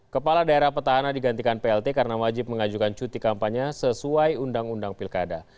kepala daerah petahana digantikan plt karena wajib mengajukan cuti kampanye sesuai undang undang pilkada